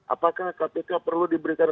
apakah kpk perlu diberikan